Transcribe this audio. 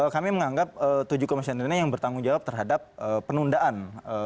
kami menganggap tujuh komisioner ini yang bertanggung jawab terhadap penundaan